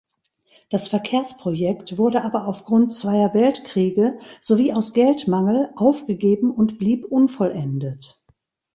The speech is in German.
Das Verkehrsprojekt wurde aber aufgrund zweier Weltkriege sowie aus Geldmangel aufgegeben und blieb unvollendet.